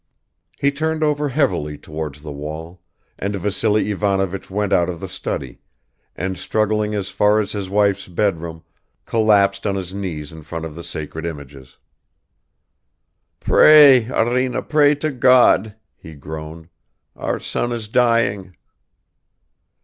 He turned over heavily towards the wall; and Vassily Ivanovich went out of the study and, struggling as far as his wife's bedroom, collapsed on his knees in front of the sacred images. "Pray, Arina, pray to God!" he groaned. "Our son is dying."